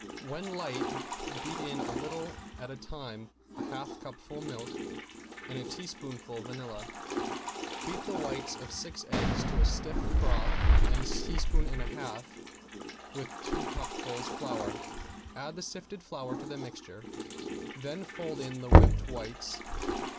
When light beat in a little at a time, a half cupful milk and a teaspoonful vanilla. Beat the whites of six eggs to a stiff froth and sift a teaspoonful and a half with two cupfuls flour. Add the sifted flour to the mixture. Then fold in the whipped whites.